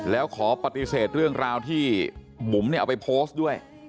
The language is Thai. แล้วขอปฏิเสธเรื่องราวที่บุ๋มเนี่ยเอาไปโพสต์ด้วย